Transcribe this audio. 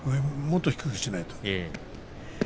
もっと低くしないと。